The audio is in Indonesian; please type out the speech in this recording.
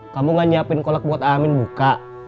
kamu gak nyiapin kolak buat amin buka